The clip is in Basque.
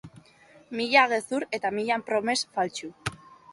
Mila gezur eta mila promes faltsu.